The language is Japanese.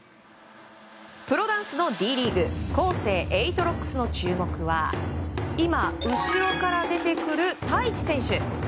プロダンスのＤリーグコーセー８ロックスの注目は今後ろから出てくるＴａｉｃｈｉ選手。